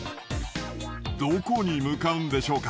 どこに向かうんでしょうか。